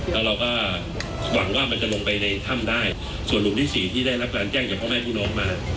แล้วเราก็หวังว่ามันจะลงไปในถ้ำได้ส่วนหลุมที่สี่ที่ได้รับการแจ้งจากพ่อแม่พี่น้องมา